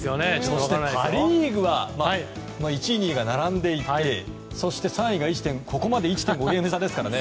そしてパ・リーグは１位、２位が並んでいてそして３位が１．５ゲーム差ですからね。